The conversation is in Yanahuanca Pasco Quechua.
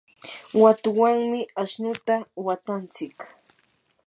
watuwanmi ashnuta watantsik.